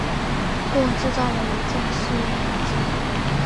共制造了五架试验样机。